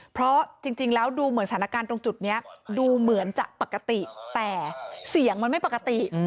เพราะจริงแล้วดูเหมือนสถานการณ์ตรงจุดนี้ดูเหมือนจะปกติแต่เสียงมันไม่ปกติ